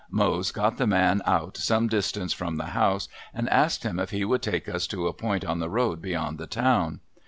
Mose got the man out some distance from the house and asked him if he would take us to a point on the road beyond the town.